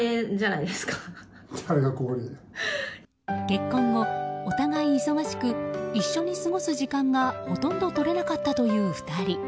結婚後、お互い忙しく一緒に過ごす時間がほとんどとれなかったという２人。